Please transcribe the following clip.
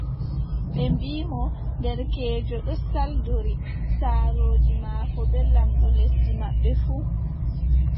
Ɓe mbii mo : derkeejo ɗo saldori saarooji maako bee lamɗo lesdi maɓɓe fuu,